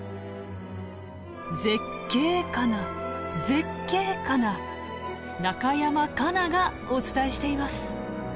絶景かな絶景かな中山果奈がお伝えしています。